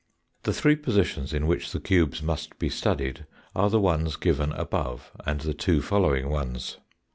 The three positions in which the cubes must be studied are the one given above and the two following ones.